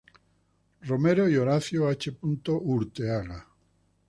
Romero y Horacio H. Urteaga.